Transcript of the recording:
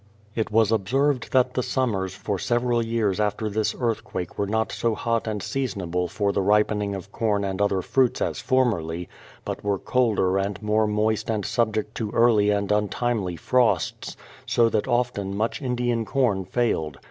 ,•''■ 'X It was observed that the summers for several years after vt^^ii this earthquake were not so hot and seasonable for the (x\n ripening of corn and other fruits as formerly, but were colder and more moist and subject to early and untimely frosts, so that often much Indian corn failed.